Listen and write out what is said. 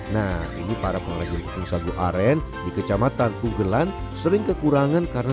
nah ini para pengrajin tepung sagu aren di kecamatan pugelan sering kekurangan karena